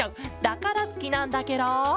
だからすきなんだケロ！